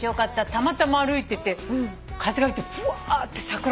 たまたま歩いてて風が吹いてぶわーって桜吹雪の中に。